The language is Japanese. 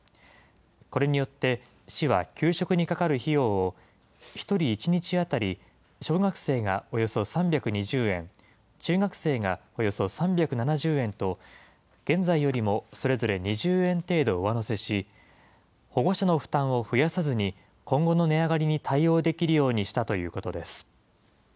これによって、市は給食にかかる費用を、１人１日当たり、小学生がおよそ３２０円、中学生がおよそ３７０円と、現在よりもそれぞれ２０円程度上乗せし、保護者の負担を増やさずに、今後の値上がりに対応できるようにしたということです。